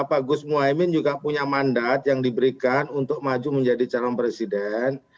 pkb juga pak gus muwaimin juga punya mandat yang diberikan untuk maju jadi calon presiden